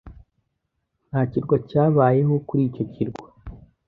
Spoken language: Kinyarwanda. Nta kirwa cyabayeho kuri icyo kirwa.